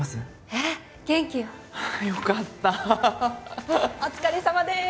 ええ元気よああよかったお疲れさまです